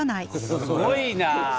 すごいなあ！